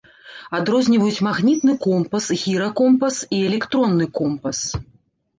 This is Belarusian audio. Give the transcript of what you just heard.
Адрозніваюць магнітны компас, гіракомпас і электронны компас.